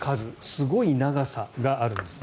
すごい長さがあるんです。